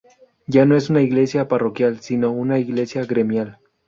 Ya no es un iglesia parroquial, sino una iglesia gremial.